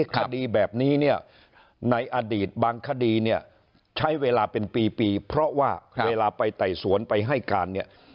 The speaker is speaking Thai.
คดีแบบนี้ในอดีตบางคดีใช้เวลาเป็นปีเพราะว่าเวลาไปไต่สวนไปให้การ